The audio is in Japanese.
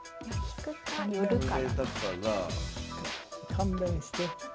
勘弁して。